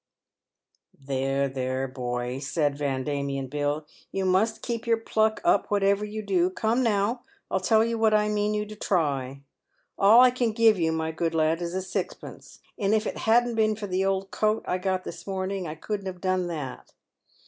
" There, there, boy," said Van Diemen Bill, " you must keep your pluck up whatever you do. Come, now, I'll tell you what I mean you to try. All I can give you, my good lad, is a sixpence ; and if it hadn't been for the old coat I got this morning I couldu't have done that.